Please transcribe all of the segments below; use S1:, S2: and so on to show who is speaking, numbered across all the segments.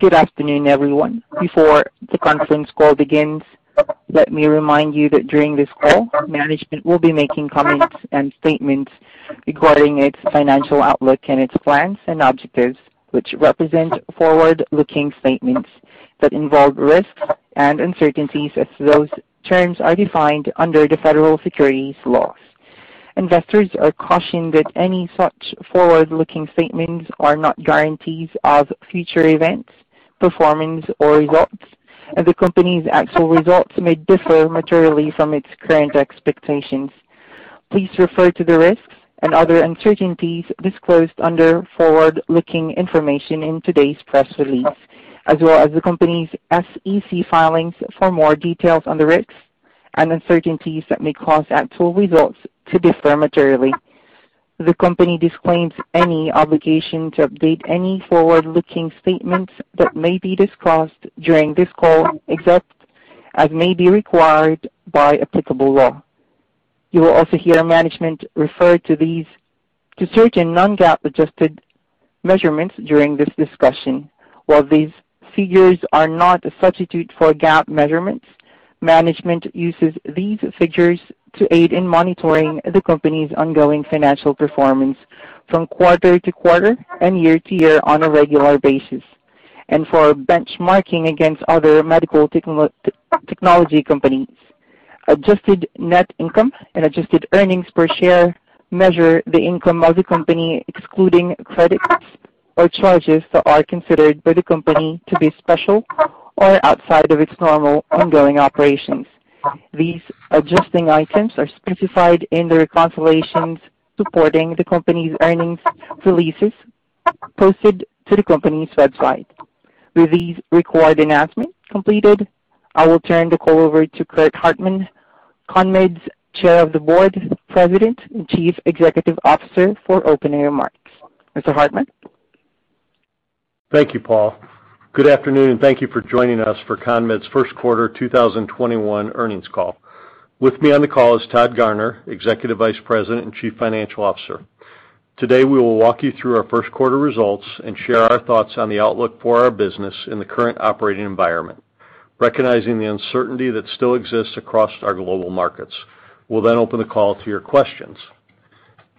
S1: Good afternoon, everyone. Before the conference call begins, let me remind you that during this call, management will be making comments and statements regarding its financial outlook and its plans and objectives, which represent forward-looking statements that involve risks and uncertainties as those terms are defined under the Federal Securities laws. Investors are cautioned that any such forward-looking statements are not guarantees of future events, performance, or results, and the company's actual results may differ materially from its current expectations. Please refer to the risks and other uncertainties disclosed under forward-looking information in today's press release, as well as the company's SEC filings for more details on the risks and uncertainties that may cause actual results to differ materially. The company disclaims any obligation to update any forward-looking statements that may be disclosed during this call, except as may be required by applicable law. You will also hear management refer to certain non-GAAP adjusted measurements during this discussion. While these figures are not a substitute for GAAP measurements, management uses these figures to aid in monitoring the company's ongoing financial performance from quarter to quarter and year to year on a regular basis, and for benchmarking against other medical technology companies. Adjusted net income and adjusted earnings per share measure the income of the company, excluding credits or charges that are considered by the company to be special or outside of its normal ongoing operations. These adjusting items are specified in the reconciliations supporting the company's earnings releases posted to the company's website. With these required announcements completed, I will turn the call over to Curt Hartman, CONMED's Chairman of the Board, President, and Chief Executive Officer, for opening remarks. Mr. Hartman?
S2: Thank you, Paul. Good afternoon, and thank you for joining us for CONMED's first quarter 2021 earnings call. With me on the call is Todd Garner, Executive Vice President and Chief Financial Officer. Today, we will walk you through our first quarter results and share our thoughts on the outlook for our business in the current operating environment, recognizing the uncertainty that still exists across our global markets. We'll open the call to your questions.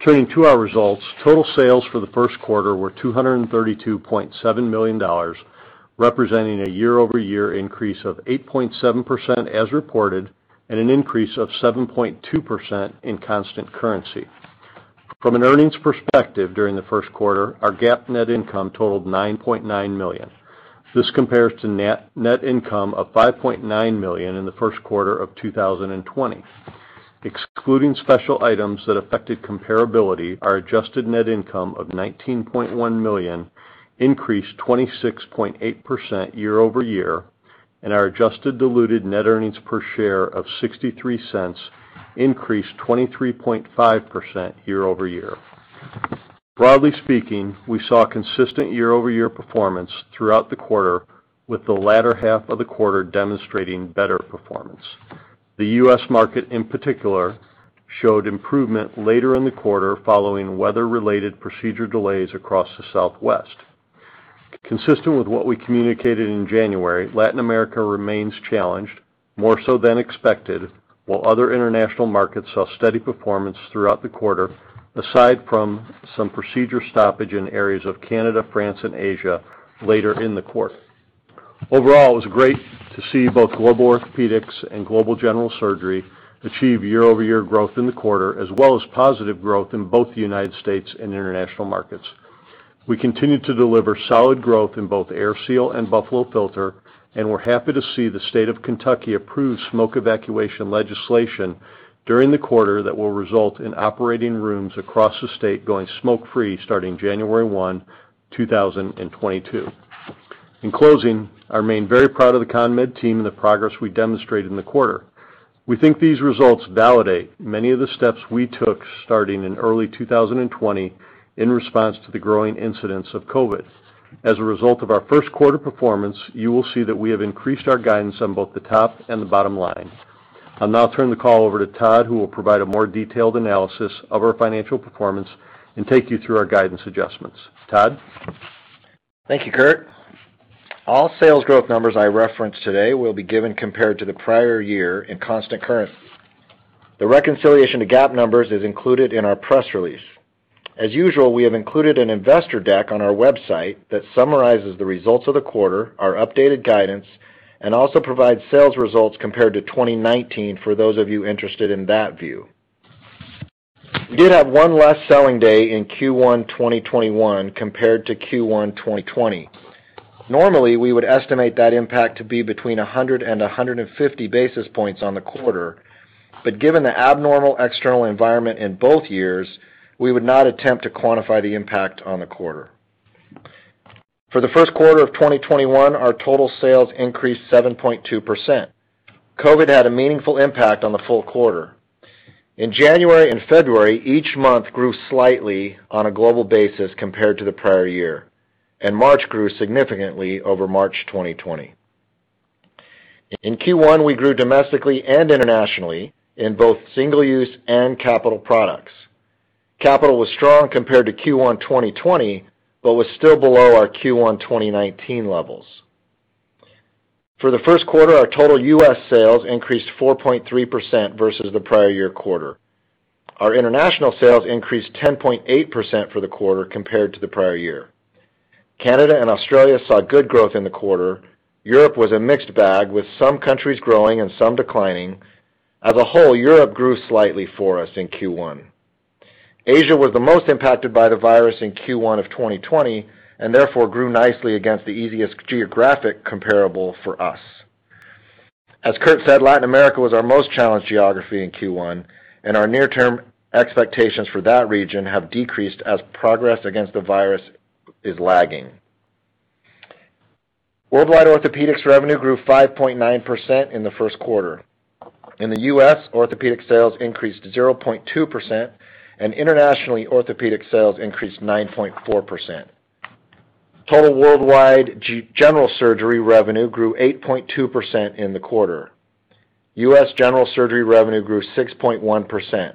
S2: Turning to our results, total sales for the first quarter were $232.7 million, representing a year-over-year increase of 8.7% as reported and an increase of 7.2% in constant currency. From an earnings perspective during the first quarter, our GAAP net income totaled $9.9 million. This compares to net income of $5.9 million in the first quarter of 2020. Excluding special items that affected comparability, our adjusted net income of $19.1 million increased 26.8% year-over-year, and our adjusted diluted net earnings per share of $0.63 increased 23.5% year-over-year. Broadly speaking, we saw consistent year-over-year performance throughout the quarter, with the latter half of the quarter demonstrating better performance. The U.S. market, in particular, showed improvement later in the quarter following weather-related procedure delays across the Southwest. Consistent with what we communicated in January, Latin America remains challenged, more so than expected, while other international markets saw steady performance throughout the quarter, aside from some procedure stoppage in areas of Canada, France, and Asia later in the quarter. Overall, it was great to see both Global Orthopedics and Global General Surgery achieve year-over-year growth in the quarter, as well as positive growth in both the United States and international markets. We continue to deliver solid growth in both AirSeal and Buffalo Filter, we're happy to see the state of Kentucky approve smoke evacuation legislation during the quarter that will result in operating rooms across the state going smoke-free starting January 1, 2022. In closing, I remain very proud of the CONMED team and the progress we demonstrated in the quarter. We think these results validate many of the steps we took starting in early 2020 in response to the growing incidence of COVID. As a result of our first quarter performance, you will see that we have increased our guidance on both the top and the bottom line. I'll now turn the call over to Todd, who will provide a more detailed analysis of our financial performance and take you through our guidance adjustments. Todd?
S3: Thank you, Curt. All sales growth numbers I reference today will be given compared to the prior year in constant currency. The reconciliation to GAAP numbers is included in our press release. As usual, we have included an investor deck on our website that summarizes the results of the quarter, our updated guidance, and also provides sales results compared to 2019 for those of you interested in that view. We did have one less selling day in Q1 2021 compared to Q1 2020. Normally, we would estimate that impact to be between 100 and 150 basis points on the quarter, but given the abnormal external environment in both years, we would not attempt to quantify the impact on the quarter. For the first quarter of 2021, our total sales increased 7.2%. COVID had a meaningful impact on the full quarter. In January and February, each month grew slightly on a global basis compared to the prior year, and March grew significantly over March 2020. In Q1, we grew domestically and internationally in both single-use and capital products. Capital was strong compared to Q1 2020, but was still below our Q1 2019 levels. For the first quarter, our total U.S. sales increased 4.3% versus the prior year quarter. Our international sales increased 10.8% for the quarter compared to the prior year. Canada and Australia saw good growth in the quarter. Europe was a mixed bag, with some countries growing and some declining. As a whole, Europe grew slightly for us in Q1. Asia was the most impacted by the virus in Q1 of 2020, and therefore grew nicely against the easiest geographic comparable for us. As Curt said, Latin America was our most challenged geography in Q1, and our near-term expectations for that region have decreased as progress against the virus is lagging. Worldwide orthopedics revenue grew 5.9% in the first quarter. In the U.S., orthopedic sales increased 0.2%, and internationally, orthopedic sales increased 9.4%. Total worldwide general surgery revenue grew 8.2% in the quarter. U.S. general surgery revenue grew 6.1%.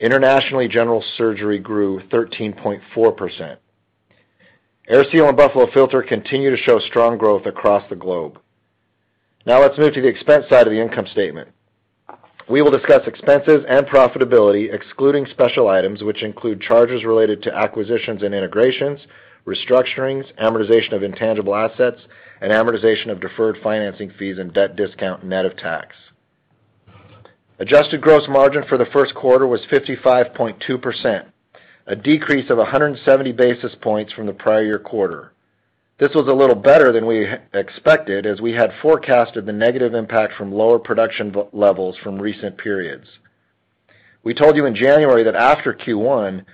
S3: Internationally, general surgery grew 13.4%. AirSeal and Buffalo Filter continue to show strong growth across the globe. Let's move to the expense side of the income statement. We will discuss expenses and profitability excluding special items which include charges related to acquisitions and integrations, restructurings, amortization of intangible assets, and amortization of deferred financing fees and debt discount net of tax. Adjusted gross margin for the first quarter was 55.2%, a decrease of 170 basis points from the prior year quarter. This was a little better than we expected, as we had forecasted the negative impact from lower production levels from recent periods. We told you in January that after Q1,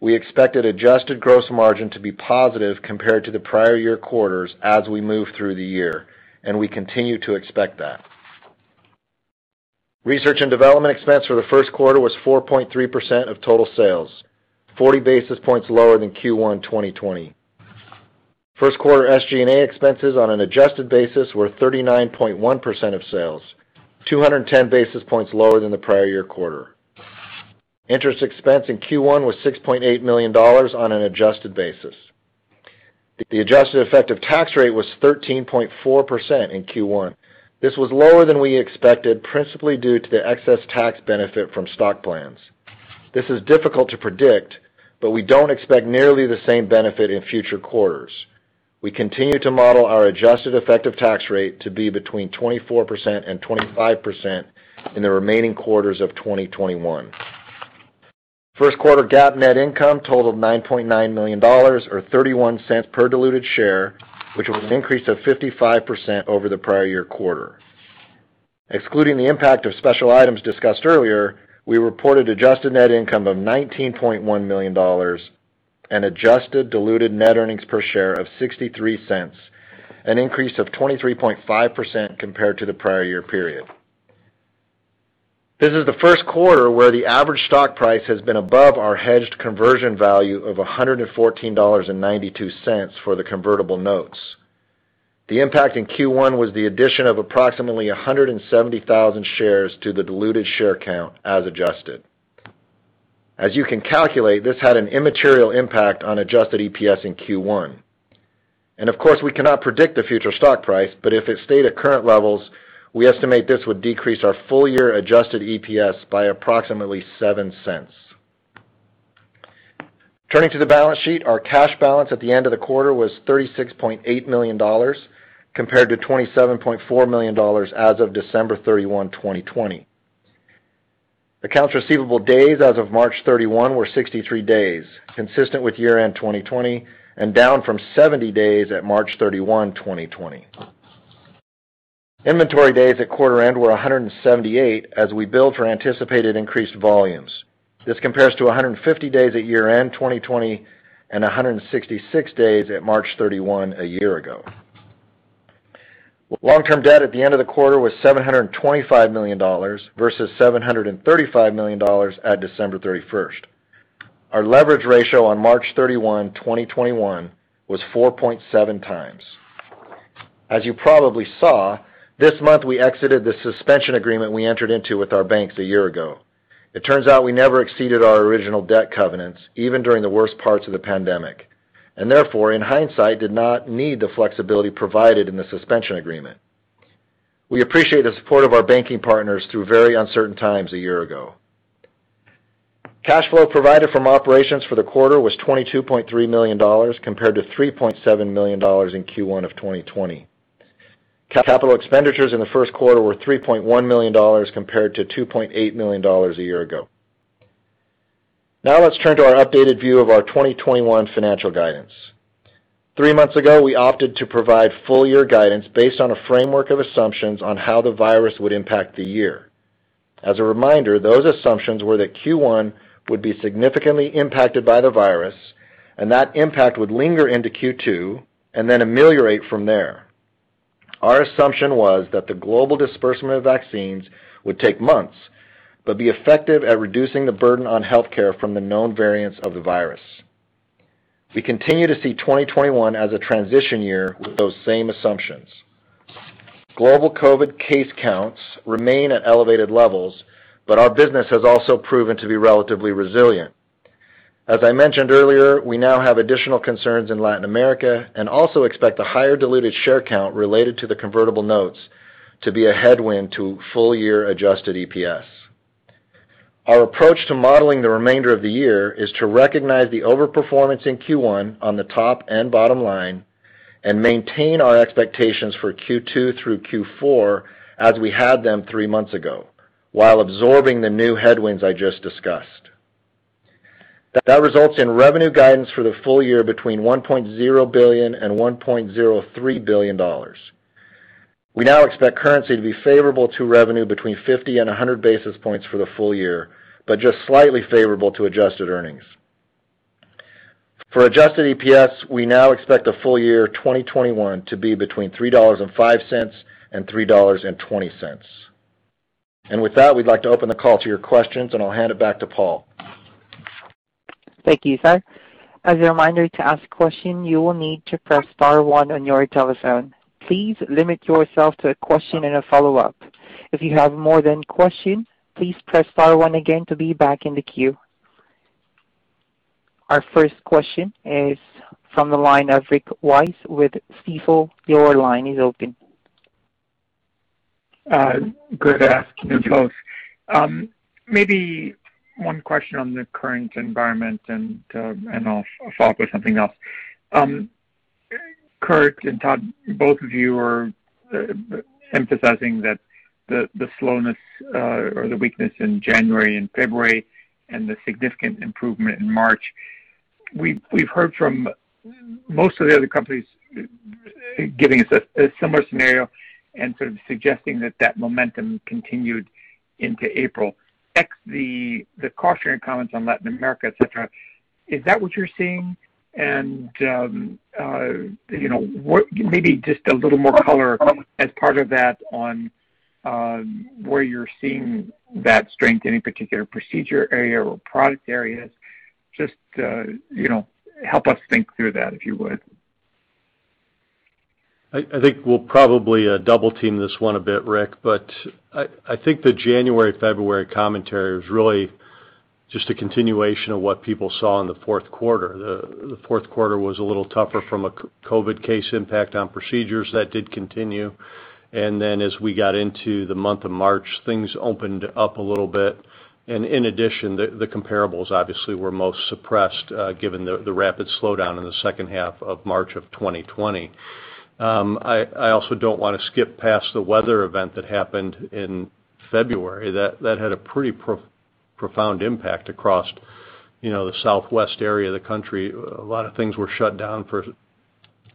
S3: we expected adjusted gross margin to be positive compared to the prior year quarters as we move through the year, and we continue to expect that. Research and development expense for the first quarter was 4.3% of total sales, 40 basis points lower than Q1 2020. First quarter SG&A expenses on an adjusted basis were 39.1% of sales, 210 basis points lower than the prior year quarter. Interest expense in Q1 was $6.8 million on an adjusted basis. The adjusted effective tax rate was 13.4% in Q1. This was lower than we expected, principally due to the excess tax benefit from stock plans. This is difficult to predict, but we don't expect nearly the same benefit in future quarters. We continue to model our adjusted effective tax rate to be between 24% and 25% in the remaining quarters of 2021. First quarter GAAP net income totaled $9.9 million, or $0.31 per diluted share, which was an increase of 55% over the prior year quarter. Excluding the impact of special items discussed earlier, we reported adjusted net income of $19.1 million and adjusted diluted net earnings per share of $0.63, an increase of 23.5% compared to the prior year period. This is the first quarter where the average stock price has been above our hedged conversion value of $114.92 for the convertible notes. The impact in Q1 was the addition of approximately 170,000 shares to the diluted share count as adjusted. As you can calculate, this had an immaterial impact on adjusted EPS in Q1. Of course, we cannot predict the future stock price, but if it stayed at current levels, we estimate this would decrease our full year adjusted EPS by approximately $0.07. Turning to the balance sheet, our cash balance at the end of the quarter was $36.8 million, compared to $27.4 million as of December 31, 2020. Accounts receivable days as of March 31 were 63 days, consistent with year-end 2020, and down from 70 days at March 31, 2020. Inventory days at quarter-end were 178 as we build for anticipated increased volumes. This compares to 150 days at year-end 2020 and 166 days at March 31 a year ago. Long-term debt at the end of the quarter was $725 million versus $735 million at December 31st. Our leverage ratio on March 31, 2021 was 4.7 times. As you probably saw, this month we exited the suspension agreement we entered into with our banks a year ago. It turns out we never exceeded our original debt covenants, even during the worst parts of the pandemic, and therefore, in hindsight, did not need the flexibility provided in the suspension agreement. We appreciate the support of our banking partners through very uncertain times a year ago. Cash flow provided from operations for the quarter was $22.3 million, compared to $3.7 million in Q1 2020. Capital expenditures in the first quarter were $3.1 million, compared to $2.8 million a year ago. Let's turn to our updated view of our 2021 financial guidance. Three months ago, we opted to provide full year guidance based on a framework of assumptions on how the virus would impact the year. As a reminder, those assumptions were that Q1 would be significantly impacted by the virus and that impact would linger into Q2 and then ameliorate from there. Our assumption was that the global disbursement of vaccines would take months, but be effective at reducing the burden on healthcare from the known variants of the virus. We continue to see 2021 as a transition year with those same assumptions. Global COVID case counts remain at elevated levels, but our business has also proven to be relatively resilient. As I mentioned earlier, we now have additional concerns in Latin America and also expect a higher diluted share count related to the convertible notes to be a headwind to full-year adjusted EPS. Our approach to modeling the remainder of the year is to recognize the overperformance in Q1 on the top and bottom line and maintain our expectations for Q2 through Q4 as we had them three months ago, while absorbing the new headwinds I just discussed. That results in revenue guidance for the full year between $1.0 billion and $1.03 billion. We now expect currency to be favorable to revenue between 50 and 100 basis points for the full year, but just slightly favorable to adjusted earnings. For adjusted EPS, we now expect the full year 2021 to be between $3.05 and $3.20. With that, we'd like to open the call to your questions, and I'll hand it back to Paul.
S1: Thank you, sir. As a reminder, to ask a question, you will need to press star one on your telephone. Please limit yourself to a question and a follow-up. If you have more than a question, please press star one again to be back in the queue. Our first question is from the line of Rick Wise with Stifel. Your line is open.
S4: Good afternoon, folks. Maybe one question on the current environment, I'll follow up with something else. Curt and Todd, both of you are emphasizing that the slowness or the weakness in January and February and the significant improvement in March. We've heard from most of the other companies giving us a similar scenario and sort of suggesting that that momentum continued into April. X the cautioning comments on Latin America, et cetera, is that what you're seeing? Maybe just a little more color as part of that on where you're seeing that strength, any particular procedure area or product areas. Just help us think through that, if you would.
S2: I think we'll probably double-team this one a bit, Rick, but I think the January, February commentary was really just a continuation of what people saw in the fourth quarter. The fourth quarter was a little tougher from a COVID case impact on procedures. That did continue. Then as we got into the month of March, things opened up a little bit. In addition, the comparables obviously were most suppressed, given the rapid slowdown in the second half of March of 2020. I also don't want to skip past the weather event that happened in February. That had a pretty profound impact across the Southwest area of the country. A lot of things were shut down for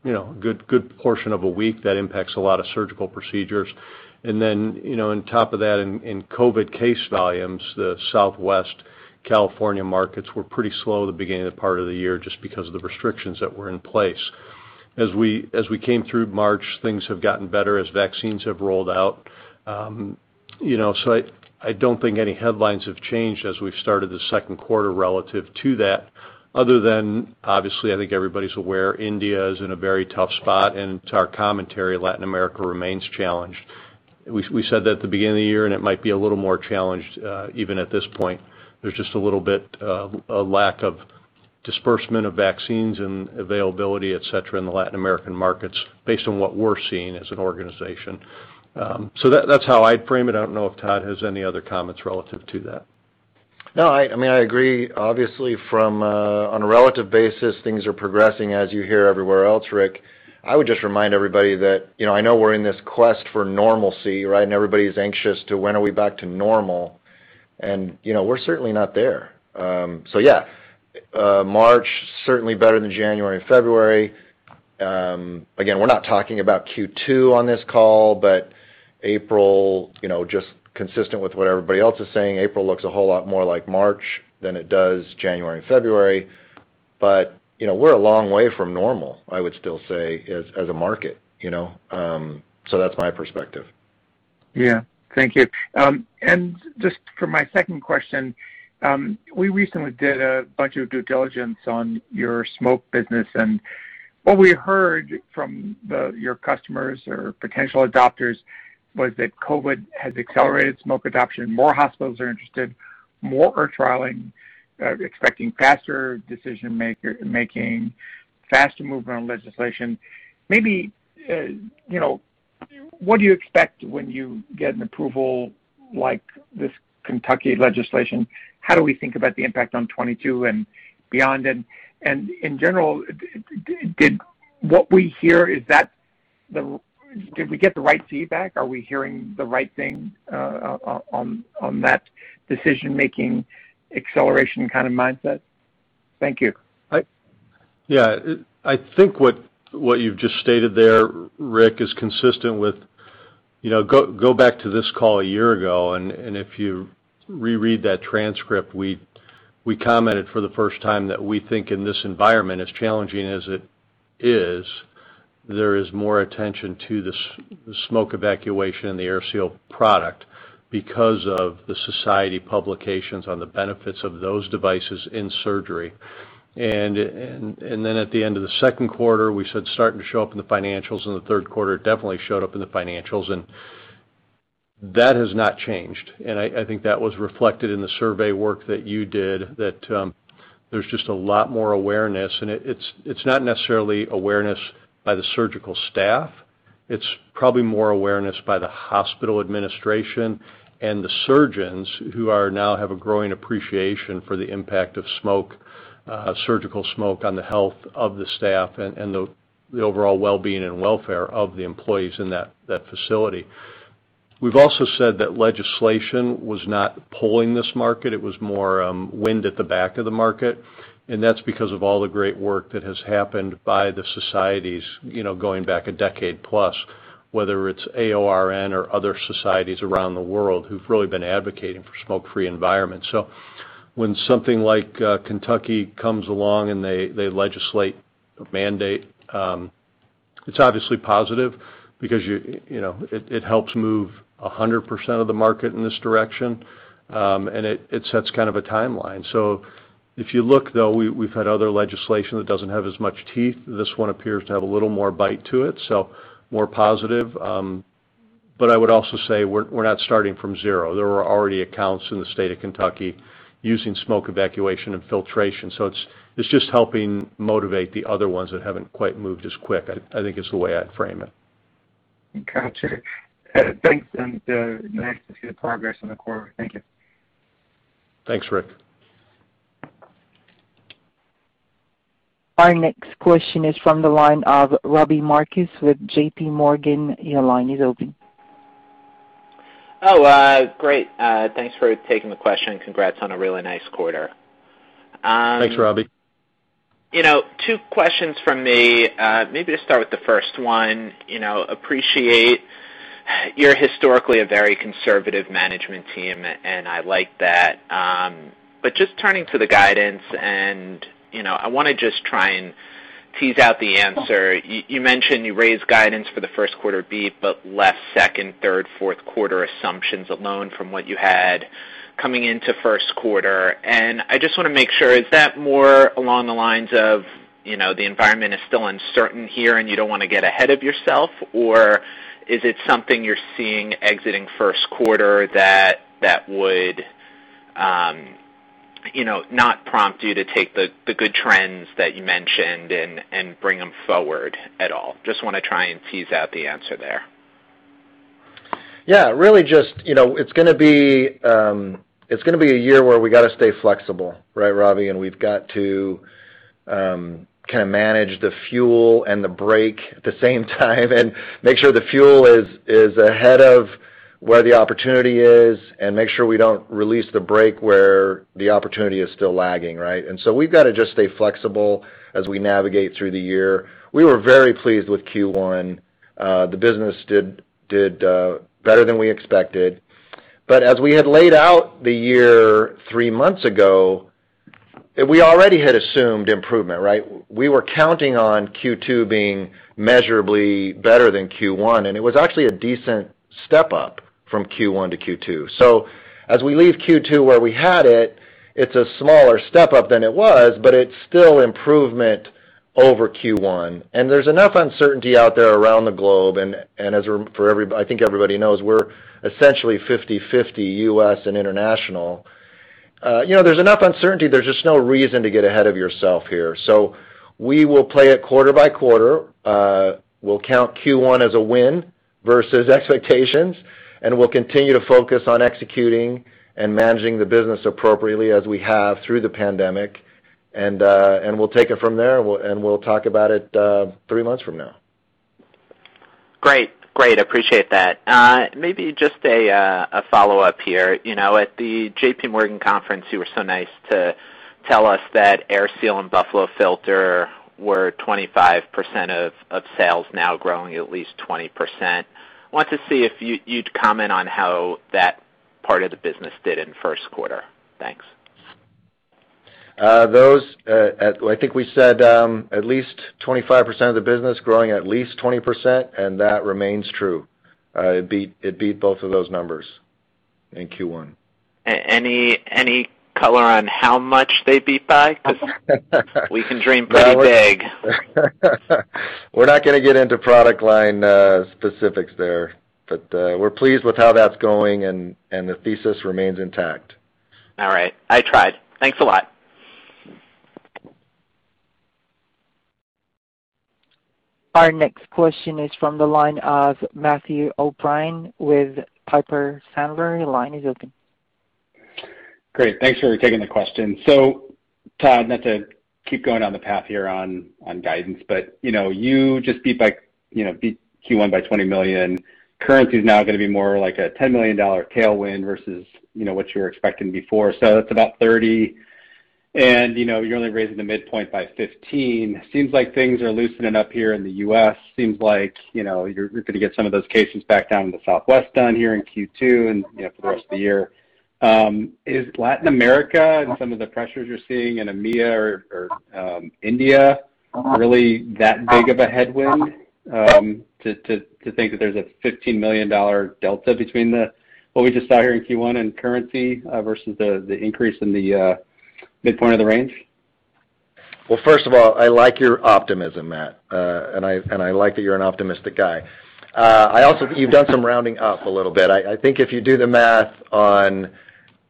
S2: a good portion of a week. That impacts a lot of surgical procedures. On top of that, in COVID case volumes, the Southwest California markets were pretty slow at the beginning of the part of the year just because of the restrictions that were in place. As we came through March, things have gotten better as vaccines have rolled out. I don't think any headlines have changed as we've started the second quarter relative to that, other than obviously, I think everybody's aware India is in a very tough spot, and to our commentary, Latin America remains challenged. We said that at the beginning of the year, and it might be a little more challenged even at this point. There's just a little bit of a lack of disbursement of vaccines and availability, et cetera, in the Latin American markets based on what we're seeing as an organization. That's how I'd frame it. I don't know if Todd has any other comments relative to that.
S3: No. I agree. Obviously, on a relative basis, things are progressing as you hear everywhere else, Rick. I would just remind everybody that I know we're in this quest for normalcy, right? Everybody's anxious to when are we back to normal. We're certainly not there. Yeah, March certainly better than January and February. Again, we're not talking about Q2 on this call, but April, just consistent with what everybody else is saying, April looks a whole lot more like March than it does January and February. We're a long way from normal, I would still say, as a market. That's my perspective.
S4: Yeah. Thank you. Just for my second question, we recently did a bunch of due diligence on your smoke business, and what we heard from your customers or potential adopters was that COVID has accelerated smoke adoption. More hospitals are interested, more are trialing, expecting faster decision-making, faster movement on legislation. Maybe, what do you expect when you get an approval like this Kentucky legislation? How do we think about the impact on 2022 and beyond? In general, did we get the right feedback? Are we hearing the right thing on that decision-making, acceleration kind of mindset? Thank you.
S2: Yeah. I think what you've just stated there, Rick, is consistent with. Go back to this call a year ago, and if you reread that transcript, we commented for the first time that we think in this environment, as challenging as it is. There is more attention to the smoke evacuation and the AirSeal product because of the society publications on the benefits of those devices in surgery. Then at the end of the second quarter, we said starting to show up in the financials, in the third quarter, it definitely showed up in the financials, and that has not changed. I think that was reflected in the survey work that you did, that there's just a lot more awareness, and it's not necessarily awareness by the surgical staff. It's probably more awareness by the hospital administration and the surgeons who are now have a growing appreciation for the impact of surgical smoke on the health of the staff and the overall wellbeing and welfare of the employees in that facility. We've also said that legislation was not pulling this market. It was more wind at the back of the market, and that's because of all the great work that has happened by the societies going back a decade plus, whether it's AORN or other societies around the world who've really been advocating for smoke-free environments. When something like Kentucky comes along and they legislate a mandate, it's obviously positive because it helps move 100% of the market in this direction, and it sets kind of a timeline. If you look, though, we've had other legislation that doesn't have as much teeth. This one appears to have a little more bite to it, so more positive. I would also say we're not starting from zero. There were already accounts in the state of Kentucky using smoke evacuation and filtration, it's just helping motivate the other ones that haven't quite moved as quick, I think is the way I'd frame it.
S4: Got you. Thanks. Nice to see the progress in the quarter. Thank you.
S2: Thanks, Rick.
S1: Our next question is from the line of Robbie Marcus with JPMorgan. Your line is open.
S5: Oh, great. Thanks for taking the question. Congrats on a really nice quarter.
S2: Thanks, Robbie.
S5: Two questions from me. Maybe I'll start with the first one. Appreciate you're historically a very conservative management team, and I like that. Just turning to the guidance, I want to just try and tease out the answer. You mentioned you raised guidance for the first quarter beat, but left second, third, fourth quarter assumptions alone from what you had coming into first quarter. I just want to make sure, is that more along the lines of the environment is still uncertain here and you don't want to get ahead of yourself, or is it something you're seeing exiting first quarter that would not prompt you to take the good trends that you mentioned and bring them forward at all? Just want to try and tease out the answer there.
S2: It's going to be a year where we got to stay flexible, right, Robbie? We've got to kind of manage the fuel and the brake at the same time and make sure the fuel is ahead of where the opportunity is and make sure we don't release the brake where the opportunity is still lagging, right? We've got to just stay flexible as we navigate through the year. We were very pleased with Q1. The business did better than we expected, but as we had laid out the year, three months ago, we already had assumed improvement, right? We were counting on Q2 being measurably better than Q1, and it was actually a decent step up from Q1 to Q2. As we leave Q2 where we had it's a smaller step up than it was, but it's still improvement over Q1. There's enough uncertainty out there around the globe, and I think everybody knows we're essentially 50/50 U.S. and international. There's enough uncertainty, there's just no reason to get ahead of yourself here. We will play it quarter by quarter. We'll count Q1 as a win versus expectations, and we'll continue to focus on executing and managing the business appropriately as we have through the pandemic, and we'll take it from there, and we'll talk about it three months from now.
S5: Great. Appreciate that. Maybe just a follow-up here. At the JPMorgan conference, you were so nice to tell us that AirSeal and Buffalo Filter were 25% of sales now growing at least 20%. Want to see if you'd comment on how that part of the business did in the first quarter. Thanks.
S2: I think we said at least 25% of the business growing at least 20%, and that remains true. It beat both of those numbers in Q1.
S5: Any color on how much they beat by? We can dream pretty big.
S2: We're not going to get into product line specifics there, but we're pleased with how that's going, and the thesis remains intact.
S5: All right. I tried. Thanks a lot.
S1: Our next question is from the line of Matthew O'Brien with Piper Sandler. Your line is open.
S6: Great. Thanks for taking the question. Todd, not to keep going on the path here on guidance, but you just beat Q1 by $20 million. Currency is now going to be more like a $10 million tailwind versus what you were expecting before. That's about $30 million, and you're only raising the midpoint by $15 million. Seems like things are loosening up here in the U.S. Seems like you're going to get some of those cases back down in the Southwest done here in Q2 and for the rest of the year. Is Latin America and some of the pressures you're seeing in EMEA or India really that big of a headwind to think that there's a $15 million delta between what we just saw here in Q1 and currency versus the increase in the midpoint of the range?
S3: Well, first of all, I like your optimism, Matt. I like that you're an optimistic guy. I also think you've done some rounding up a little bit. I think if you do the math on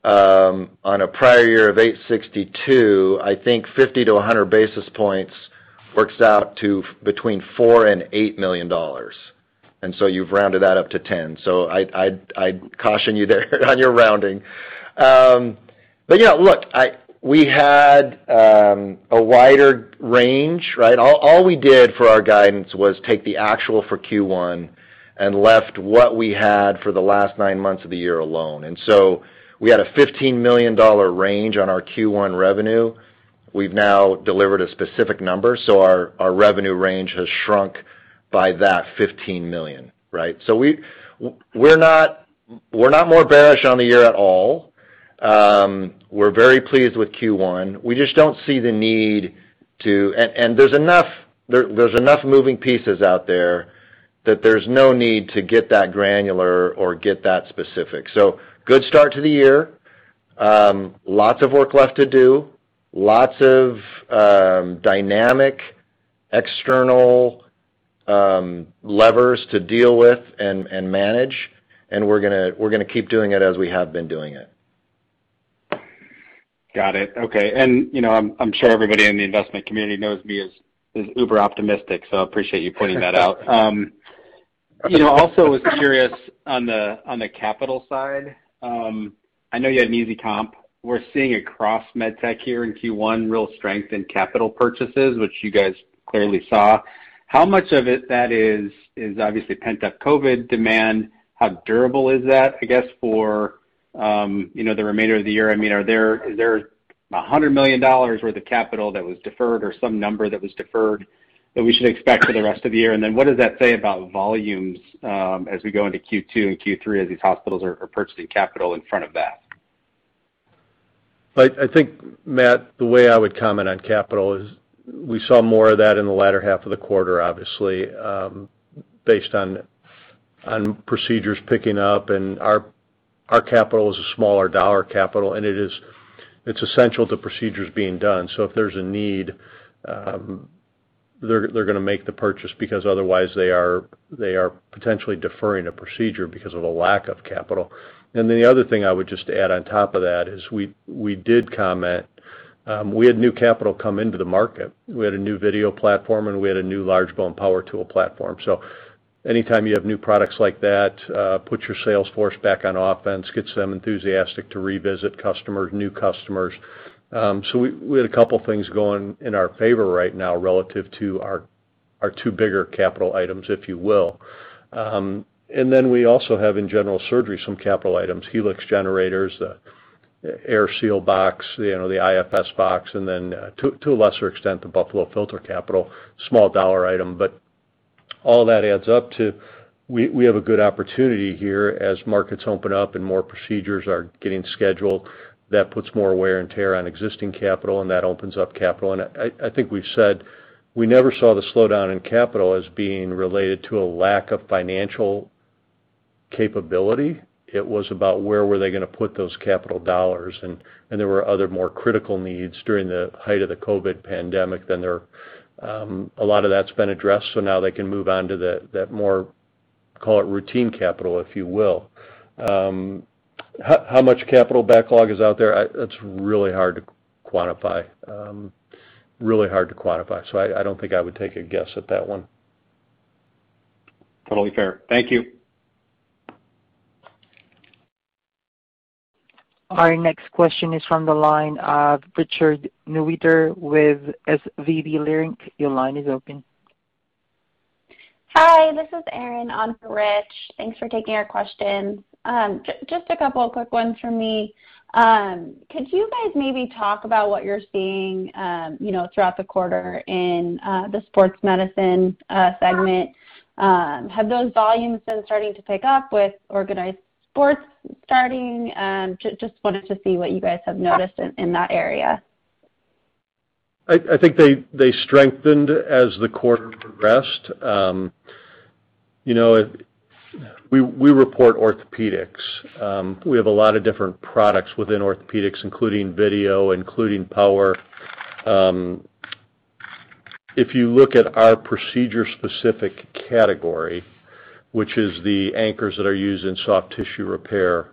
S3: a prior year of 862, I think 50-100 basis points works out to between $4 million and $8 million. You've rounded that up to 10. I'd caution you there on your rounding. Yeah, look, we had a wider range, right? All we did for our guidance was take the actual for Q1 and left what we had for the last nine months of the year alone. We had a $15 million range on our Q1 revenue. We've now delivered a specific number, so our revenue range has shrunk by that $15 million, right? We're not more bearish on the year at all. We're very pleased with Q1. We just don't see the need. There's enough moving pieces out there that there's no need to get that granular or get that specific. Good start to the year. Lots of work left to do. Lots of dynamic, external levers to deal with and manage. We're going to keep doing it as we have been doing it.
S6: Got it. Okay. I'm sure everybody in the investment community knows me as uber optimistic, so I appreciate you pointing that out. Also was curious on the capital side. I know you had an easy comp. We're seeing across medtech here in Q1 real strength in capital purchases, which you guys clearly saw. How much of it that is obviously pent-up COVID demand? How durable is that, I guess, for the remainder of the year? I mean, is there $100 million worth of capital that was deferred, or some number that was deferred that we should expect for the rest of the year? Then what does that say about volumes as we go into Q2 and Q3, as these hospitals are purchasing capital in front of that?
S2: I think, Matt, the way I would comment on capital is we saw more of that in the latter half of the quarter, obviously, based on procedures picking up, and our capital is a smaller dollar capital, and it's essential to procedures being done. If there's a need, they're going to make the purchase because otherwise they are potentially deferring a procedure because of a lack of capital. The other thing I would just add on top of that is we did comment. We had new capital come into the market. We had a new video platform and we had a new large bone power tool platform. Anytime you have new products like that, puts your sales force back on offense, gets them enthusiastic to revisit customers, new customers. We had a couple things going in our favor right now relative to our two bigger capital items, if you will. We also have in general surgery some capital items, Helix generators, the AirSeal box, the iFS box, and then to a lesser extent, the Buffalo Filter capital, small dollar item. All that adds up to we have a good opportunity here as markets open up and more procedures are getting scheduled. That puts more wear and tear on existing capital, and that opens up capital. I think we've said, we never saw the slowdown in capital as being related to a lack of financial capability. It was about where were they going to put those capital dollars, and there were other more critical needs during the height of the COVID pandemic. A lot of that's been addressed, so now they can move on to that more, call it routine capital, if you will. How much capital backlog is out there? It's really hard to quantify. I don't think I would take a guess at that one.
S6: Totally fair. Thank you.
S1: Our next question is from the line of Richard Newitter with SVB Leerink. Your line is open.
S7: Hi, this is Erin on for Rich. Thanks for taking our questions. Just a couple quick ones from me. Could you guys maybe talk about what you're seeing throughout the quarter in the sports medicine segment? Have those volumes been starting to pick up with organized sports starting? Just wanted to see what you guys have noticed in that area.
S2: I think they strengthened as the quarter progressed. We report orthopedics. We have a lot of different products within orthopedics, including video, including power. If you look at our procedure-specific category, which is the anchors that are used in soft tissue repair,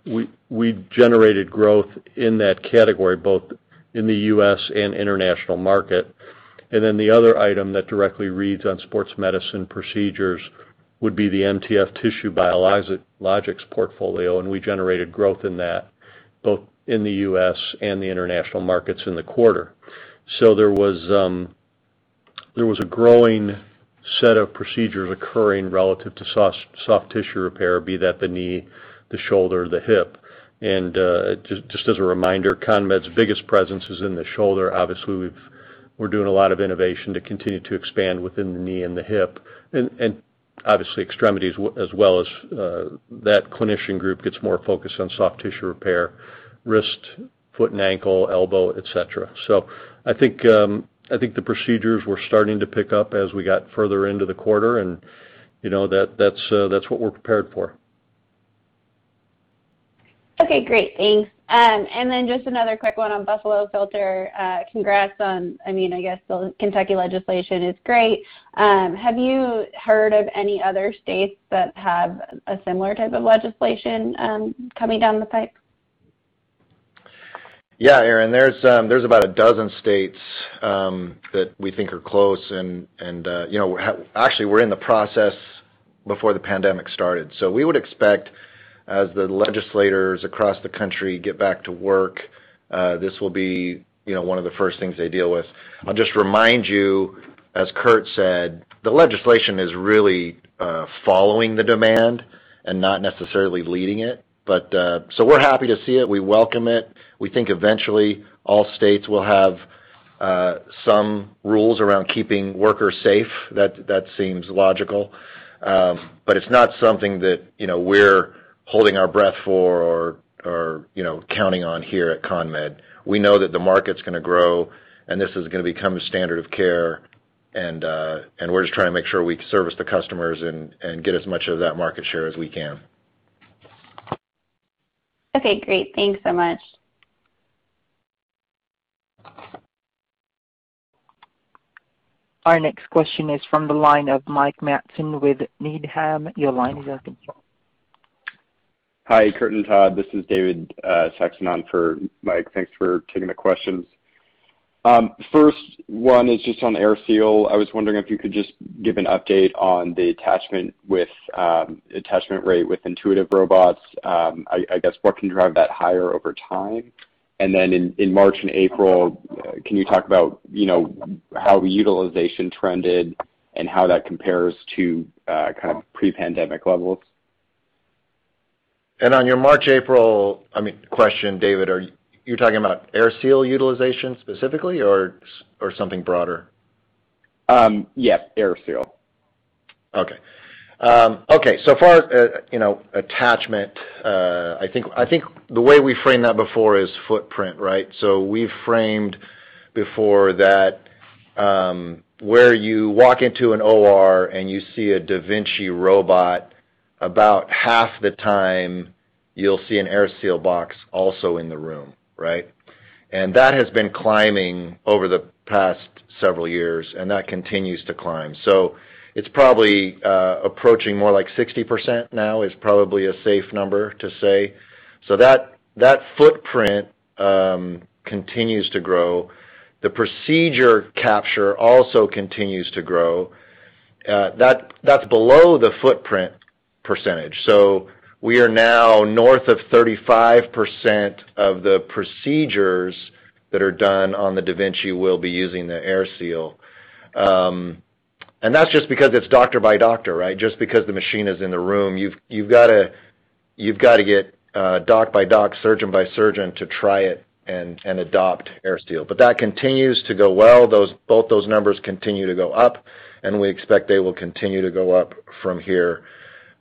S2: we generated growth in that category, both in the U.S. and international market. The other item that directly reads on sports medicine procedures would be the MTF tissue biologics portfolio, and we generated growth in that, both in the U.S. and the international markets in the quarter. There was a growing set of procedures occurring relative to soft tissue repair, be that the knee, the shoulder, the hip. Just as a reminder, CONMED's biggest presence is in the shoulder. We're doing a lot of innovation to continue to expand within the knee and the hip, obviously extremities as well as that clinician group gets more focused on soft tissue repair, wrist, foot and ankle, elbow, et cetera. I think the procedures were starting to pick up as we got further into the quarter, that's what we're prepared for.
S7: Okay, great. Thanks. Just another quick one on Buffalo Filter. Congrats on, I guess, the Kentucky legislation is great. Have you heard of any other states that have a similar type of legislation coming down the pipe?
S3: Yeah, Erin, there's about a dozen states that we think are close, actually we're in the process before the pandemic started. We would expect as the legislators across the country get back to work, this will be one of the first things they deal with. I'll just remind you, as Curt said, the legislation is really following the demand and not necessarily leading it. We're happy to see it. We welcome it. We think eventually all states will have some rules around keeping workers safe. That seems logical. It's not something that we're holding our breath for or counting on here at CONMED. We know that the market's going to grow, and this is going to become a standard of care, and we're just trying to make sure we service the customers and get as much of that market share as we can.
S7: Okay, great. Thanks so much.
S1: Our next question is from the line of Mike Matson with Needham. Your line is open.
S8: Hi, Curt and Todd. This is David Saxon on for Mike. Thanks for taking the questions. First one is just on AirSeal. I was wondering if you could just give an update on the attachment rate with Intuitive robots. I guess, what can drive that higher over time? Then in March and April, can you talk about how the utilization trended and how that compares to pre-pandemic levels?
S3: On your March, April question, David, are you talking about AirSeal utilization specifically or something broader?
S8: Yes. AirSeal.
S3: Okay. Far, attachment, I think the way we framed that before is footprint, right? We framed before that, where you walk into an OR and you see a da Vinci robot, about half the time you'll see an AirSeal box also in the room, right? That has been climbing over the past several years, and that continues to climb. It's probably approaching more like 60% now, is probably a safe number to say. That footprint continues to grow. The procedure capture also continues to grow. That's below the footprint percentage. We are now north of 35% of the procedures that are done on the da Vinci will be using the AirSeal. That's just because it's doctor by doctor. Just because the machine is in the room, you've got to get doc by doc, surgeon by surgeon to try it and adopt AirSeal. That continues to go well. Both those numbers continue to go up and we expect they will continue to go up from here.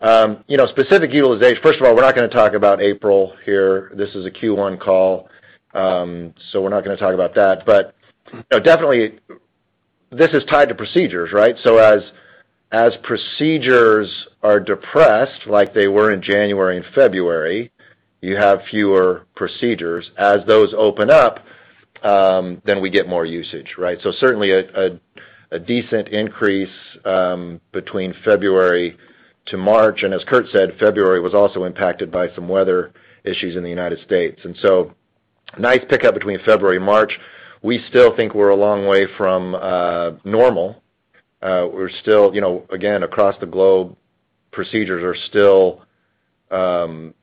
S3: Specific utilization, first of all, we're not going to talk about April here. This is a Q1 call. We're not going to talk about that. Definitely, this is tied to procedures, right? As procedures are depressed like they were in January and February, you have fewer procedures. As those open up, we get more usage, right? Certainly a decent increase between February to March. As Curt said, February was also impacted by some weather issues in the U.S. Nice pickup between February and March. We still think we're a long way from normal. We're still, again, across the globe, procedures are still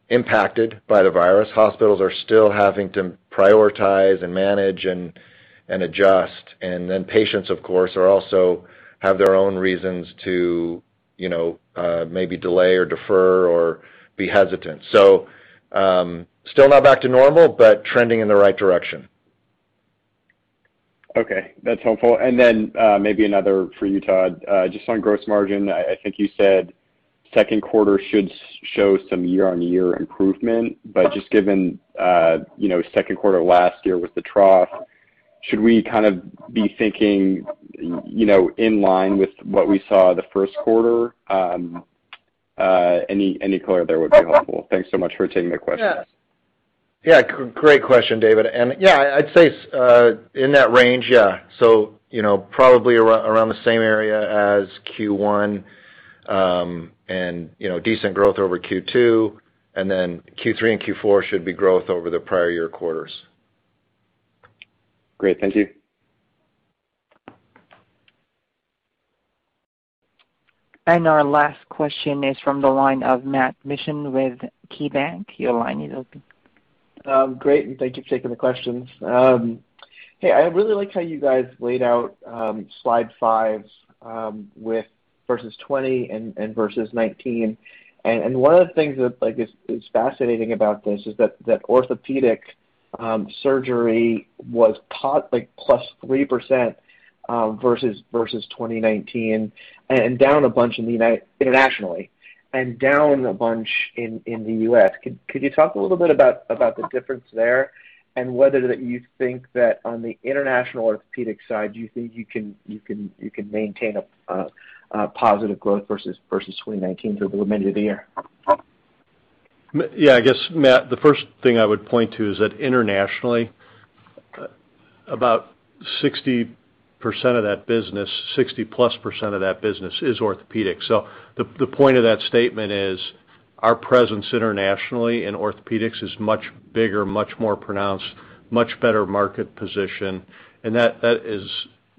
S3: impacted by the virus. Hospitals are still having to prioritize and manage and adjust. Patients, of course, also have their own reasons to maybe delay or defer or be hesitant. Still not back to normal, but trending in the right direction.
S8: Okay, that's helpful. Then maybe another for you, Todd. Just on gross margin, I think you said second quarter should show some year-on-year improvement. Just given second quarter last year with the trough, should we be thinking in line with what we saw the first quarter? Any color there would be helpful. Thanks so much for taking the questions.
S3: Yeah. Great question, David. Yeah, I'd say in that range, yeah. Probably around the same area as Q1, and decent growth over Q2, and then Q3 and Q4 should be growth over the prior year quarters.
S8: Great. Thank you.
S1: Our last question is from the line of Matt Mishan with KeyBanc. Your line is open.
S9: Great. Thank you for taking the questions. Hey, I really liked how you guys laid out slide five with versus 20 and versus 19. One of the things that is fascinating about this is that orthopedic surgery was like plus 3% versus 2019, down a bunch internationally, down a bunch in the U.S. Could you talk a little bit about the difference there and whether you think that on the international orthopedic side, do you think you can maintain a positive growth versus 2019 through the remainder of the year?
S2: Yeah, I guess, Matt, the first thing I would point to is that internationally, about 60%+ of that business is orthopedic. The point of that statement is our presence internationally in orthopedics is much bigger, much more pronounced, much better market position, and that is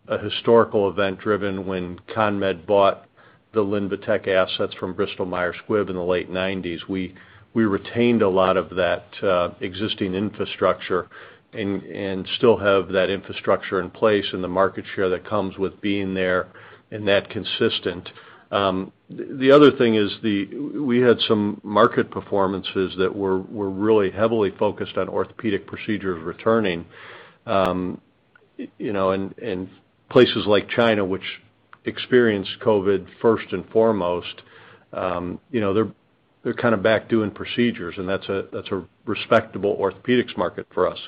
S2: a historical event driven when CONMED bought the Linvatec assets from Bristol Myers Squibb in the late 90s. We retained a lot of that existing infrastructure and still have that infrastructure in place and the market share that comes with being there and that consistent. The other thing is we had some market performances that were really heavily focused on orthopedic procedure returning. In places like China, which experienced COVID first and foremost, they're kind of back doing procedures, and that's a respectable orthopedics market for us.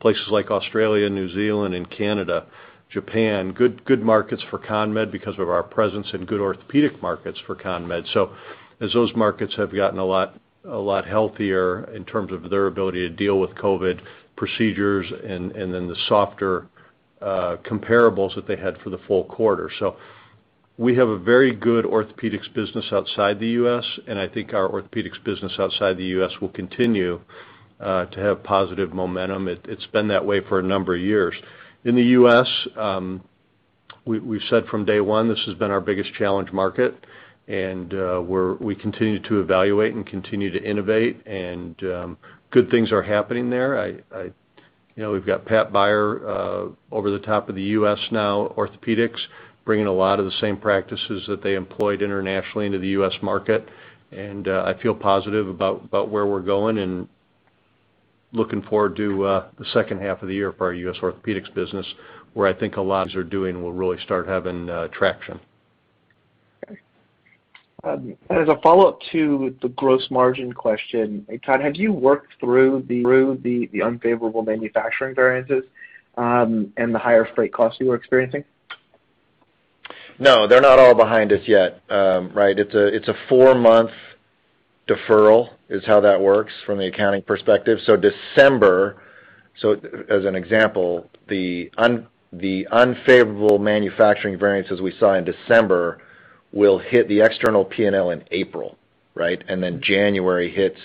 S2: Places like Australia, New Zealand and Canada, Japan, good markets for CONMED because of our presence and good orthopedic markets for CONMED. As those markets have gotten a lot healthier in terms of their ability to deal with COVID procedures and then the softer comparables that they had for the full quarter. We have a very good orthopedics business outside the U.S., and I think our orthopedics business outside the U.S. will continue to have positive momentum. It's been that way for a number of years. In the U.S., we've said from day one, this has been our biggest challenge market, and we continue to evaluate and continue to innovate, and good things are happening there. We've got Pat Beyer over the top of the U.S. now, orthopaedics, bringing a lot of the same practices that they employed internationally into the U.S. market, and I feel positive about where we're going and looking forward to the second half of the year for our U.S. orthopaedics business, where I think a lot are doing will really start having traction.
S9: Okay. As a follow-up to the gross margin question, Todd, have you worked through the unfavorable manufacturing variances, and the higher freight costs you were experiencing?
S3: No, they're not all behind us yet, right? It's a four-month deferral is how that works from the accounting perspective. December, as an example, the unfavorable manufacturing variances we saw in December will hit the external P&L in April, right? January hits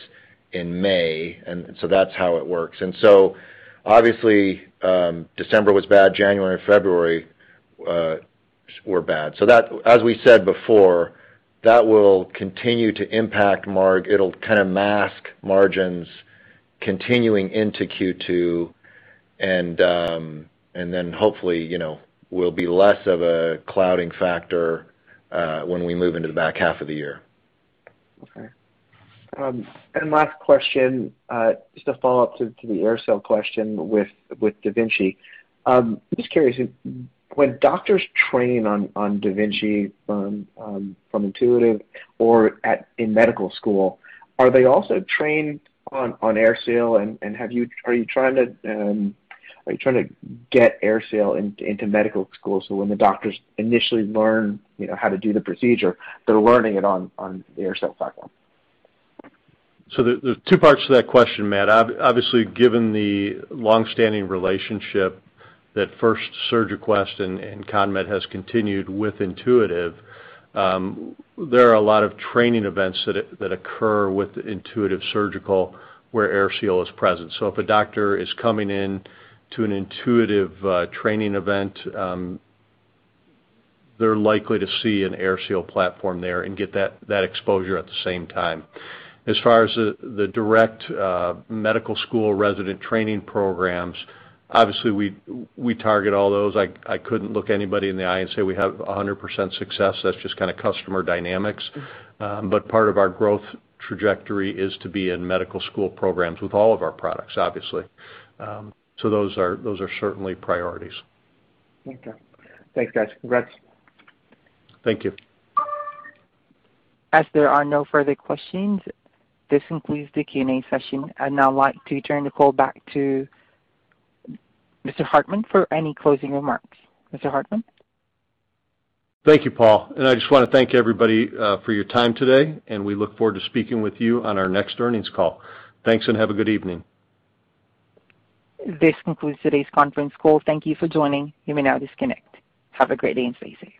S3: in May, that's how it works. Obviously, December was bad. January and February were bad. As we said before, that will continue to impact it'll kind of mask margins continuing into Q2, hopefully, will be less of a clouding factor when we move into the back half of the year.
S9: Okay. Last question, just a follow-up to the AirSeal question with da Vinci. I'm just curious, when doctors train on da Vinci from Intuitive or in medical school, are they also trained on AirSeal, and are you trying to get AirSeal into medical school so when the doctors initially learn how to do the procedure, they're learning it on the AirSeal platform?
S2: There's two parts to that question, Matt. Obviously, given the longstanding relationship that first SurgiQuest and CONMED has continued with Intuitive, there are a lot of training events that occur with Intuitive Surgical where AirSeal is present. If a doctor is coming in to an Intuitive training event, they're likely to see an AirSeal platform there and get that exposure at the same time. As far as the direct medical school resident training programs, obviously we target all those. I couldn't look anybody in the eye and say we have 100% success. That's just kind of customer dynamics. Part of our growth trajectory is to be in medical school programs with all of our products, obviously. Those are certainly priorities.
S9: Okay. Thanks, guys. Congrats.
S2: Thank you.
S1: As there are no further questions, this concludes the Q&A session. I'd now like to turn the call back to Mr. Hartman for any closing remarks. Mr. Hartman?
S2: Thank you, Paul. I just want to thank everybody for your time today, and we look forward to speaking with you on our next earnings call. Thanks, have a good evening.
S1: This concludes today's conference call. Thank you for joining. You may now disconnect. Have a great day and stay safe.